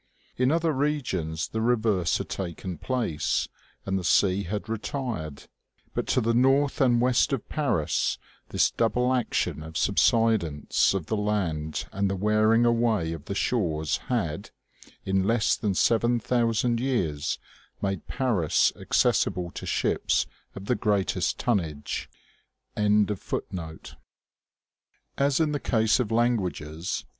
In other regions the reverse had taken place, and the sea had retired ; but to the north and west of Paris this double action of the subsidence of the land and the wearing away of the shores had, in less than seven thousand years, made Paris accessible to ships of the greatest tonnage.